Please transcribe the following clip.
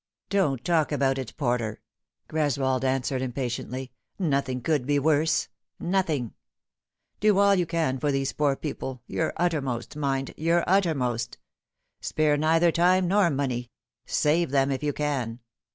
" Don't talk about it, Porter," Greswold answered impa tiently ;" nothing could be worse nothing. Do all you can for Ah 1 Pity I the Lily is Withered. 63 those poor people your uttermost, mind, your uttermost. Spare neither time nor money. Save them, if you can."